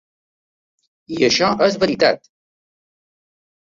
I això és veritat.